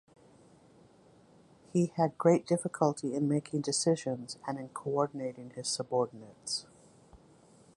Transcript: He had great difficulty in making decisions, and in coordinating his subordinates.